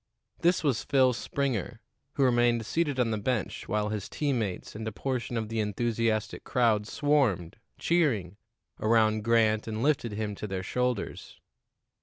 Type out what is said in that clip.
This was Phil Springer, who remained seated on the bench while his team mates and a portion of the enthusiastic crowd swarmed, cheering, around Grant and lifted him to their shoulders.